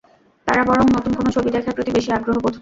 তারা বরং নতুন কোনো ছবি দেখার প্রতি বেশি আগ্রহ বোধ করে।